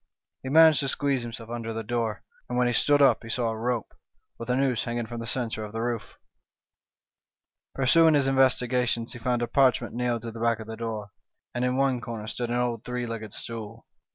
" He managed to squeeze himself under the door, and when he stood up he saw a rope, with a noose hang ing from the centre of the roof. Pursuing his investi gations, he found a parchment nailed to the back of the door, and in one corner stood an old three legged stool.